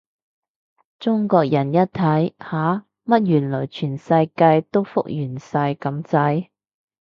中國人一睇，吓？乜原來全世界都復原晒咁滯？